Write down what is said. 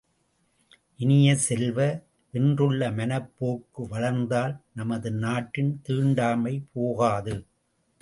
இனிய செல்வ, இன்றுள்ள மனப் போக்கு வளர்ந்தால், நமது நாட்டின் தீண்டாமை போகாது.